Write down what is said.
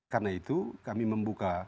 karena itu kami membuka